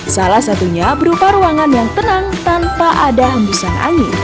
salah satunya berupa ruangan yang tenang tanpa ada hembusan angin